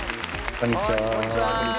こんにちは。